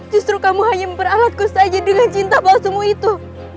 justru kamu hanya memperalatku saja dengan cinta balsamu itu